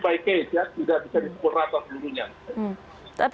case by case ya tidak bisa dipukul rata sebelumnya